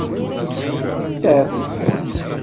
Steɛfu kan.